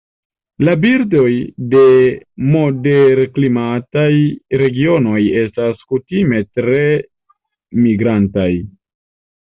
La birdoj de moderklimataj regionoj estas kutime tre migrantaj.